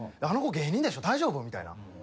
あの子芸人でしょ大丈夫？みたいな。